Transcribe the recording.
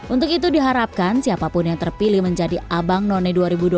untuk itu diharapkan siapapun yang terpilih menjadi abang none dua ribu dua puluh